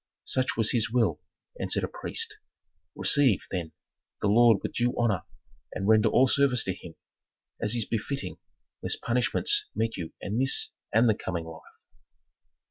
"Such was his will," answered a priest. "Receive, then, the lord with due honor and render all service to him, as is befitting, lest punishments meet you in this and the coming life."